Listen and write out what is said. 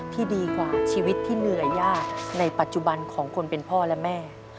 ที่ดีกว่าชีวิตที่เหนื่อยยากในปัจจุบันของคนเป็นพ่อและแม่